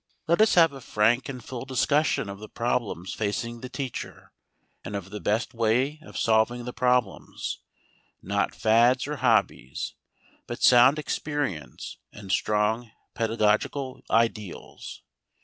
Let us have a frank and full discussion of the problems facing the teacher, and of the best way of solving the problems; not fads or hobbies, but sound experience and strong pedagogical ideals.